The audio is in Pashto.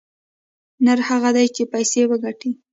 نر هغه دى چې پيسې وگټي.